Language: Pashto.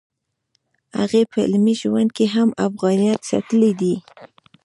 هغې په عملي ژوند کې هم افغانیت ساتلی دی